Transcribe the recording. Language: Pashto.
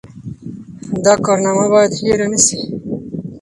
دا کارنامه باید هېره نه سي.